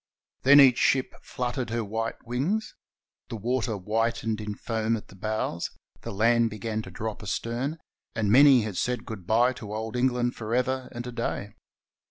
Then each ship fluttered her white wings, the water whitened in foam at the bows, the land began to drop astern, and many had said good bye to Old Eng land for ever and a day.